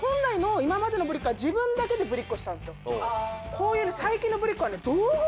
こういう。